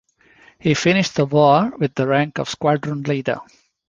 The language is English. He finished the war with the rank of Squadron Leader.